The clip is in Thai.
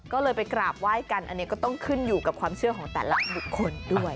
ก็เลยไปกราบไหว้กันอันนี้ก็ต้องขึ้นอยู่กับความเชื่อของแต่ละบุคคลด้วย